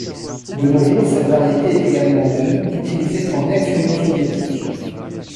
De nos jours, cette variété est également même utilisée en ex Union-soviétique.